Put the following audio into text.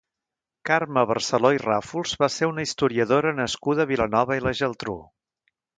Carme Barceló i Ràfols va ser una historiadora nascuda a Vilanova i la Geltrú.